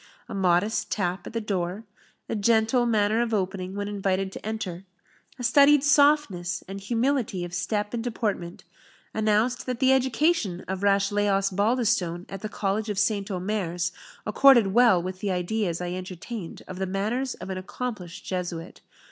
A modest tap at the door, a gentle manner of opening when invited to enter, a studied softness and humility of step and deportment, announced that the education of Rashleigh Osbaldistone at the College of St. Omers accorded well with the ideas I entertained of the manners of an accomplished Jesuit.